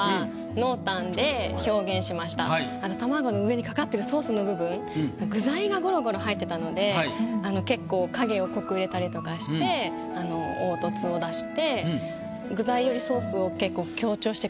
あと卵の上にかかってるソースの部分具材がゴロゴロ入ってたので結構影を濃く入れたりとかして凹凸を出して。